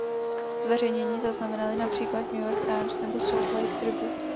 Zveřejnění zaznamenaly například New York Times nebo Salt Lake Tribute.